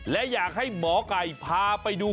และอยากให้หมอไก่พาไปดู